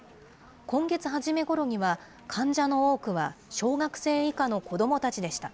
今月初めごろには、患者の多くは小学生以下の子どもたちでした。